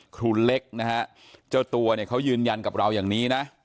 ครูเล็กนะฮะเจ้าตัวเนี่ยเขายืนยันกับเราอย่างนี้นะ